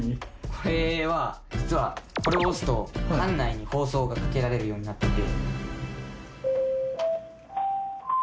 これは実はこれを押すと館内に放送がかけられるようになってて。